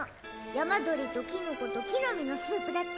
山鳥とキノコと木の実のスープだって。